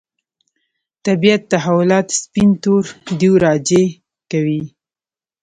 طبیعت تحولات سپین تور دېو راجع کوي.